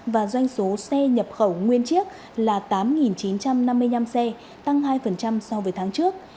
và doanh số xe nhập khẩu nguyên chiếc là tám chín trăm năm mươi năm xe tăng hai so với tháng trước